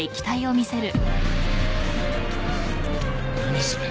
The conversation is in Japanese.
何それ？